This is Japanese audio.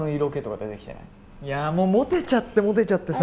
いやもうモテちゃってモテちゃってさ。